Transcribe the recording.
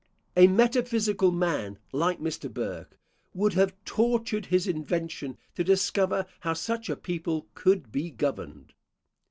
A metaphysical man, like Mr. Burke, would have tortured his invention to discover how such a people could be governed.